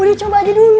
udah coba aja dulu